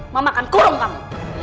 mama akan kurung kamu